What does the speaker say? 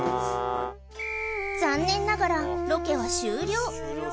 残念ながらロケは終了